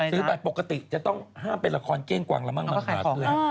ซื้อไปปกติจะต้องห้ามเป็นละครเก้งกวางละมั่งมั่งหลาด